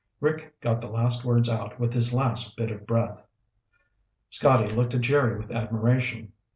'" Rick got the last words out with his last bit of breath. Scotty looked at Jerry with admiration.